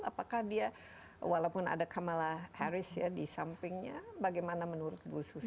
apakah dia walaupun ada kamala harris ya di sampingnya bagaimana menurut bu susi